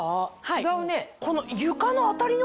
違うね。